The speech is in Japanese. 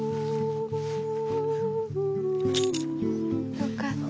よかった。